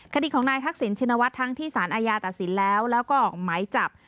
คดีของนายทักษิณชินวัฒน์ทั้งที่สารอาญาตัดสินแล้วแล้วก็ออกหมายจับ